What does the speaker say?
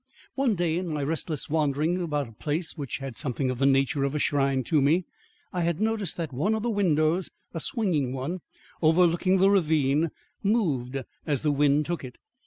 One day in my restless wanderings about a place which had something of the nature of a shrine to me, I had noticed that one of the windows (a swinging one) overlooking the ravine, moved as the wind took it.